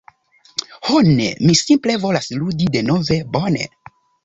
Ho ne, mi simple volas ludi denove. Bone.